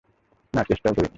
না, চেষ্টাও করিনি।